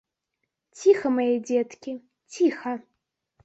Ціха, мае дзеткі, ціха.